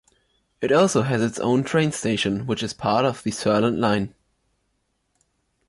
It also has its own train station, which is part of the Sørland line.